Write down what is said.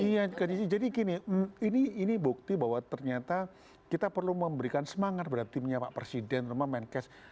iya jadi gini ini bukti bahwa ternyata kita perlu memberikan semangat berarti punya pak presiden rumah main cash